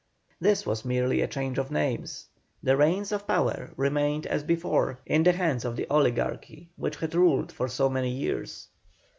This was merely a change of names, the reins of power remained as before in the hands of the oligarchy which had ruled for so many years.